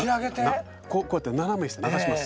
こうやって斜めにして流します。